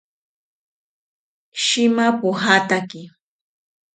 Shima pojataki